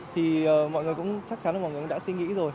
thì mọi người cũng chắc chắn là mọi người cũng đã suy nghĩ rồi